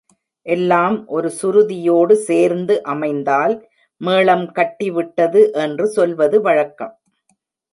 எல்லாம் ஒரு சுருதியோடு சேர்ந்து அமைந்தால், மேளம் கட்டிவிட்டது என்று சொல்வது வழக்கம்.